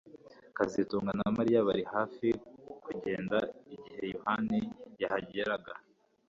kazitunga na Mariya bari hafi kugenda igihe Yohana yahageraga